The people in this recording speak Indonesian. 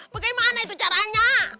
bagaimana itu caranya